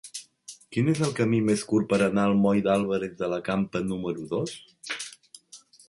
Quin és el camí més curt per anar al moll d'Álvarez de la Campa número dos?